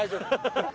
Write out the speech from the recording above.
・ハハハ。